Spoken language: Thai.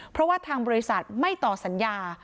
เพราะว่าทางบริษัทไม่ต่อสัญญา